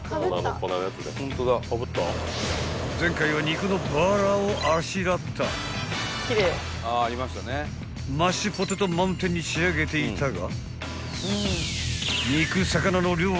［前回は肉のバラをあしらったマッシュポテトマウンテンに仕上げていたが］